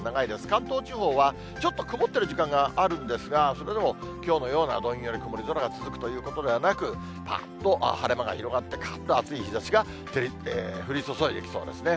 関東地方は、ちょっと曇ってる時間があるんですが、それでもきょうのようなどんより、曇り空が続くということではなく、ぱっと晴れ間が広がって、かっと暑い日ざしが降り注いできそうですね。